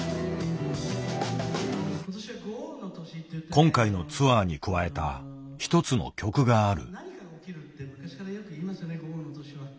今回のツアーに加えた一つの曲がある。